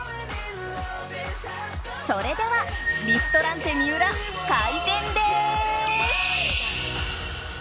それではリストランテＭＩＵＲＡ開店です。